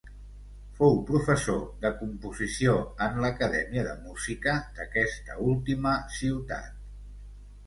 Fou professor de composició en l'Acadèmia de Música d'aquesta última ciutat.